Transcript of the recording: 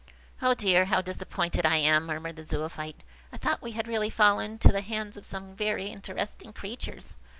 "O dear, how disappointed I am!" murmured the Zoophyte. "I thought we had really fallen into the hands of some very interesting creatures.